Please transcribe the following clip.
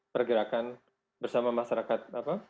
pergerakan bersama masyarakat